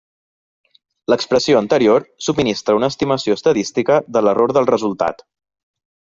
L'expressió anterior subministra una estimació estadística de l'error del resultat.